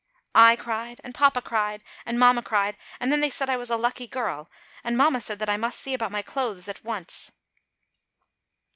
I cried, and papa cried, and mamma cried, and then they said I was a lucky girl, and mamma said that I must see about my clothes at once.